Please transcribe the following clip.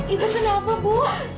ibu kenapa ibu